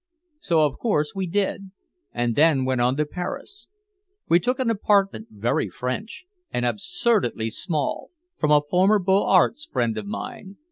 So of course we did, and then went on to Paris. We took an apartment, very French and absurdly small, from a former Beaux Arts friend of mine.